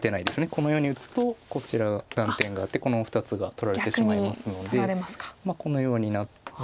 このように打つとこちら断点があってこの２つが取られてしまいますのでこのようになって。